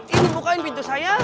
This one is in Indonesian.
ini bukain pintu saya